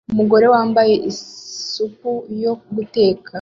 Umugore wambaye isupu yo guteka